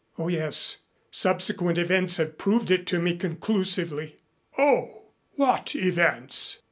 "Oh, yes. Subsequent events have proved it to me conclusively." "Oh! What events?"